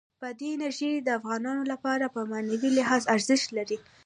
بادي انرژي د افغانانو لپاره په معنوي لحاظ ارزښت لري.